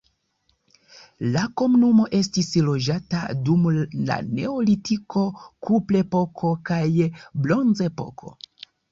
La komunumo estis loĝata dum la neolitiko, kuprepoko kaj bronzepoko.